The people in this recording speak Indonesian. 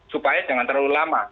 supaya jangan terlalu lama